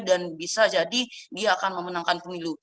bisa jadi dia akan memenangkan pemilu